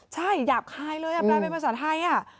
ใช่หยาบคายเลยแปลเป็นภาษาไทย